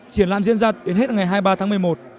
triển lãm diễn ra đến hết ngày hai mươi ba tháng một mươi một